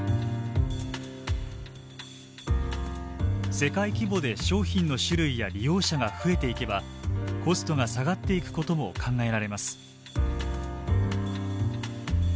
世界規模で商品の種類や利用者が増えていけばコストが下がっていくことも考えられます。